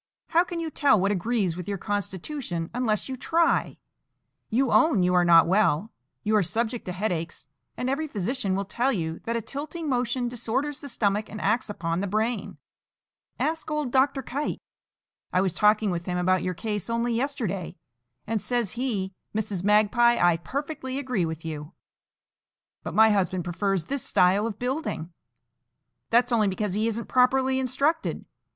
How can you tell what agrees with your constitution unless you try? You own you are not well; you are subject to headaches; and every physician will tell you that a tilting motion disorders the stomach and acts upon the brain. Ask old Dr. Kite. I was talking with him about your case only yesterday, and says he, 'Mrs. Magpie, I perfectly agree with you.'" "But my husband prefers this style of building." "That's only because he isn't properly instructed.